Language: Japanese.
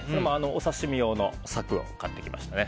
お刺身用のサクを買ってきました。